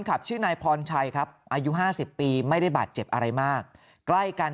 ขับชื่อนายพรชัยครับอายุ๕๐ปีไม่ได้บาดเจ็บอะไรมากใกล้กัน